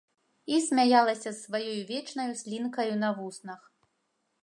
І смяялася з сваёю вечнаю слінкаю на вуснах.